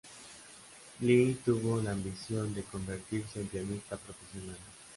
Li tuvo la ambición de convertirse en pianista profesional.